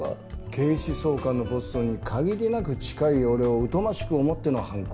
警視総監のポストに限りなく近い俺を疎ましく思っての犯行。